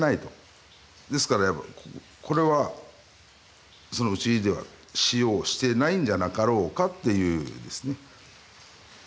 ですからこれは討ち入りでは使用してないんじゃなかろうかっていうですね。